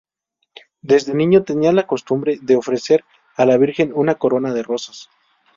Desde niño, tenía la costumbre de ofrecer a la Virgen una corona de rosas.